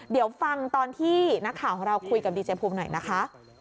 เดี๋ยวฟังตอนที่นักข่าวของเราคุยกับดีเจภูมิหน่อยนะคะ